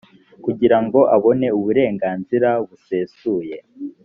kugirango abone uburenganzira busesuye